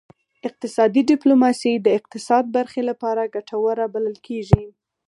اقتصادي ډیپلوماسي د اقتصاد برخې لپاره ګټوره بلل کیږي